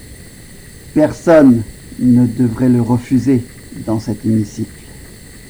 Personne ne devrait le refuser dans cet hémicycle.